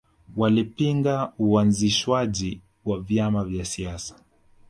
Walipinga uanzishwaji wa vyama vya siasa